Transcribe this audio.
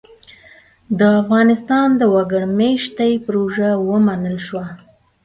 د افغانستان د وګړ مېشتۍ پروژه ومنل شوه.